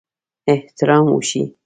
احترام وشي.